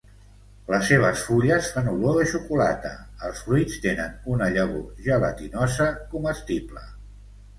Les seves fulles fan olor de xocolata, els fruits tenen una llavor gelatinosa comestible.